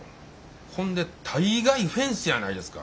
ほんで大概フェンスやないですか。